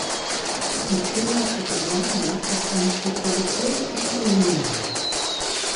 Die Crema Catalana ist eine Spezialität Kataloniens.